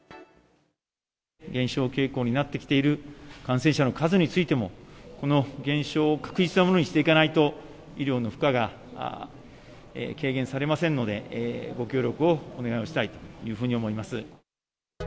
減少傾向になってきている感染者の数についても、この減少を確実なものにしていかないと、医療の負荷が軽減されませんので、ご協力をお願いをしたいというふうに思います。